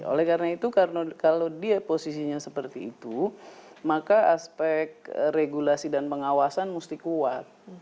oleh karena itu kalau dia posisinya seperti itu maka aspek regulasi dan pengawasan mesti kuat